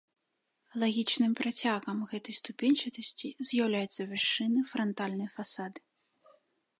Лагічным працягам гэтай ступеньчатасці з'яўляецца вышынны франтальны фасад.